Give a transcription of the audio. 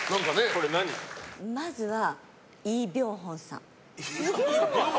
まずは、イ・ビョンホンさん。